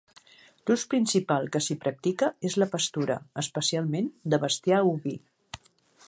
L'ús principal que s'hi practica és la pastura, especialment de bestiar oví.